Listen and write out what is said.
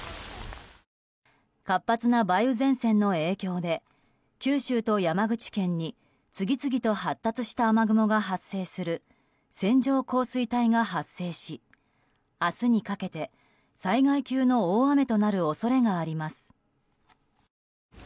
活発な梅雨前線の影響で九州と山口県に次々と発達した雨雲が発生する線状降水帯が発生し明日にかけて、災害級の大雨となる恐れがあります。